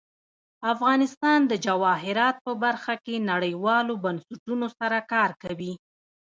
افغانستان د جواهرات په برخه کې نړیوالو بنسټونو سره کار کوي.